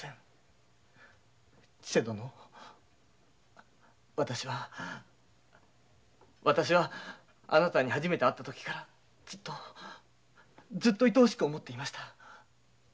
千勢殿私はあなたに初めて会ったときからずっといとおしく思っていました。